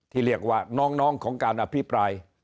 ที่เรียกว่าน้องของการอภิปราย